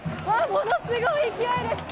ものすごい勢いです。